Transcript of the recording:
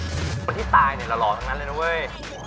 คนที่ตายเนี่ยหล่อทั้งนั้นเลยนะเว้ย